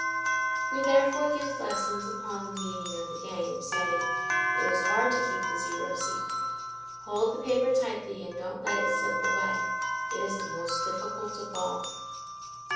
We therefore give lessons upon the meaning of the game, saying, "It is hard to keep the zero secret. Fold the paper tightly and don't let it slip away. It is the most difficult of all."